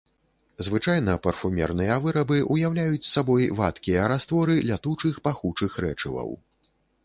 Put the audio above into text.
Звычайна парфумерныя вырабы ўяўляюць сабой вадкія растворы лятучых пахучых рэчываў.